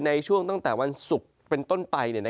ในช่วงตั้งแต่วันศุกร์เป็นต้นไป